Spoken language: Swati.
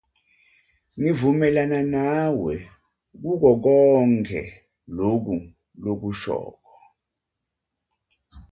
Ngivumelana nawe kuko konkhe loku lokushoko.